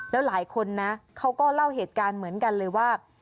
แล้วหลายคนนะเขาก็เล่าเหตุการณ์เหมือนกันเลยว่า